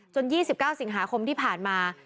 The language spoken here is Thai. ๒๙สิงหาคมที่ผ่านมา